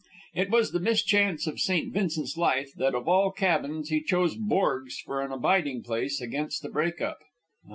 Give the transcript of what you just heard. It was the mischance of St. Vincent's life that of all cabins he chose Borg's for an abiding place against the break up.